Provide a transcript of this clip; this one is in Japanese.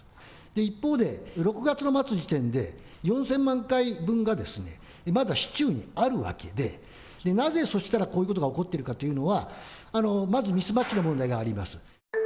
一方で、６月の末時点で４０００万回分がまだ市中にあるわけで、なぜ、そうしたらこういうことが起こってるのかというのは、まずミスマッチの問題があります。